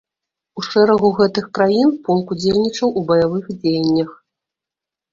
У шэрагу гэтых краін полк удзельнічаў у баявых дзеяннях.